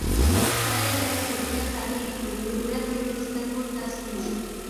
سړی له اوږده کاري ورځې وروسته کور ته ستون شو